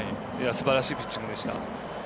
すばらしいピッチングでした。